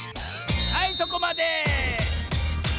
はいそこまで！